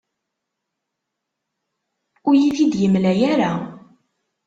Ur iyi-t-id-yemla ara.